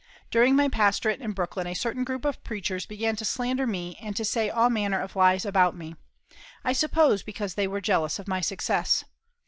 During my pastorate in Brooklyn a certain group of preachers began to slander me and to say all manner of lies about me; I suppose because they were jealous of my success.